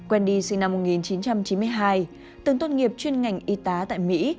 wendy sinh năm một nghìn chín trăm chín mươi hai từng tốt nghiệp chuyên ngành y tá tại mỹ